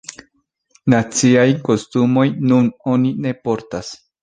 Naciajn kostumojn nun oni ne portas.